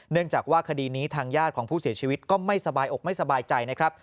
จากว่าคดีนี้ทางญาติของผู้เสียชีวิตก็ไม่สบายอกไม่สบายใจนะครับ